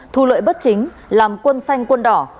thu lợi bất chính làm quân xanh quân đỏ